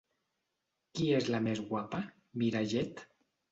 Qui és la més guapa, mirallet?